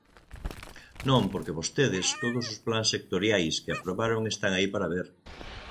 Non, porque vostedes todos os plans sectoriais que aprobaron están aí para ver.